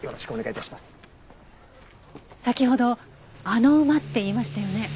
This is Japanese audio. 先ほど「あの馬」って言いましたよね。